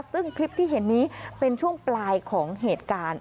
ซึ่งคลิปที่เห็นนี้เป็นช่วงปลายของเหตุการณ์